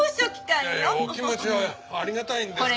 お気持ちはありがたいんですけど。